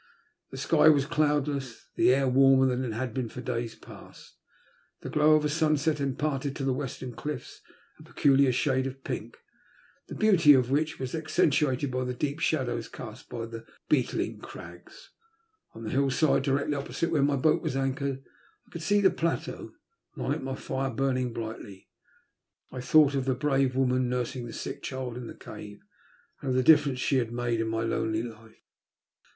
The sky was cloudless, the air warmer than it had been for days past. The glow of sunset im parted to the western cliffs a peculiar shade of pink, the beauty of which was accentuated by the deep shadows cast by the beotling crags. On the hillside, H 17d TIIE LtJST Ot SATE. directly opposite vhere my boat was ancliored, I coalJ see the plateau, and on it my fire burning brightly. I thought of the brave woman nursing the sick child in the cave, and of the difference she had made in my lonely life.